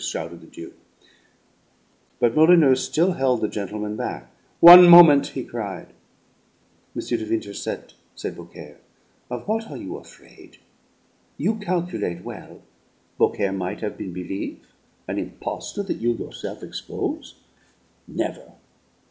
shouted the Duke. But Molyneux still held the gentlemen back. "One moment," he cried. "M. de Winterset," said Beaucaire, "of what are you afraid? You calculate well. Beaucaire might have been belief an impostor that you yourself expose'? Never!